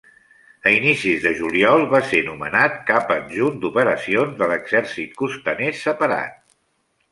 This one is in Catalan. A inicis de juliol va ser nomenat cap adjunt d'operacions de l'Exèrcit Costaner Separat.